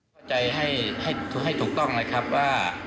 เข้าใจให้ถูกต้องนะครับว่า